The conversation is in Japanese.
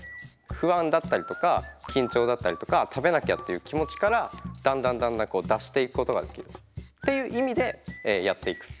不安だったりとか緊張だったりとか食べなきゃっていう気持ちからだんだんだんだん脱していくことができるっていう意味でやっていくってことです。